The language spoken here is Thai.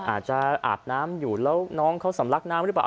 อาบน้ำอยู่แล้วน้องเขาสำลักน้ำหรือเปล่า